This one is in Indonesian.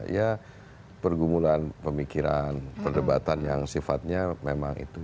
ya pergumulan pemikiran perdebatan yang sifatnya memang itu